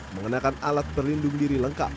mengenakan alat pelindung diri lengkap